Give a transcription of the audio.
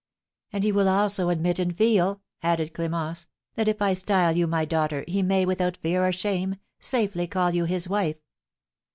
"And he will also admit and feel," added Clémence, "that if I style you my daughter, he may, without fear or shame, safely call you his wife."